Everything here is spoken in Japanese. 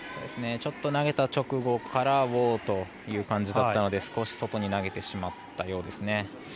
ちょっと投げた直後からウォーという感じだったので少し外に投げてしまったようです。